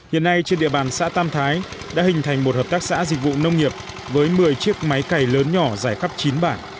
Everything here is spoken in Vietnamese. hiện nay trên địa bàn xã tam thái đã hình thành một hợp tác xã dịch vụ nông nghiệp với một mươi chiếc máy cày lớn nhỏ dài khắp chín bản